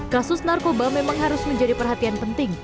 kasus narkoba memang harus menjadi perhatian penting